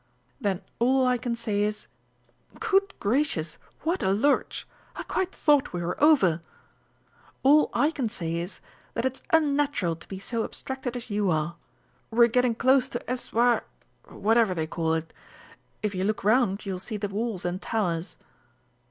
"Then all I can say is good gracious, what a lurch! I quite thought we were over! all I can say is that it's unnatural to be so abstracted as you are. We're getting close to Eswar whatever they call it. If you look round you will see the walls and towers."